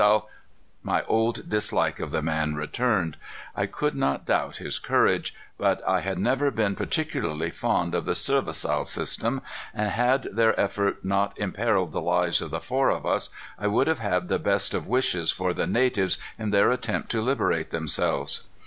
I'll " My old dislike of the man returned, I could not doubt his courage, but I had never been particularly fond of the servaçal system and had their effort not imperiled the lives of the four of us, I would have had the best of wishes for the natives in their attempt to liberate themselves.